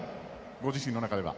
ご自身の中では。